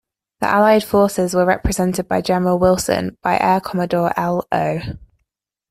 The Allied forces were represented by General Wilson, by Air Commodore L. O.